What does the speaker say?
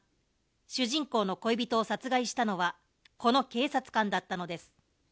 主人公の恋人を殺害したのはこの警察官だったのです。